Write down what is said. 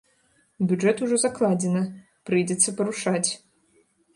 У бюджэт ужо закладзена, прыйдзецца парушаць.